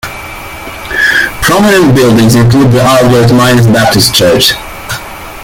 Prominent buildings include the Albert Mines Baptist Church.